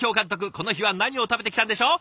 この日は何を食べてきたんでしょう？